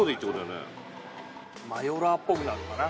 マヨラーっぽくなるのかな。